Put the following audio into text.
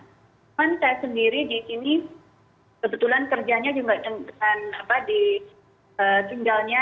cuman saya sendiri di sini kebetulan kerjanya juga dengan di tinggalnya